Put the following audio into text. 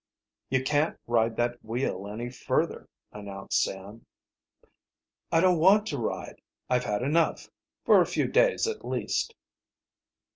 "You can't ride that wheel any further," announced Sam. "I don't want to ride. I've had enough, for a few days at least."